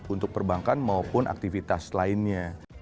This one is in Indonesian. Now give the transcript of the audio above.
untuk perbankan maupun aktivitas lainnya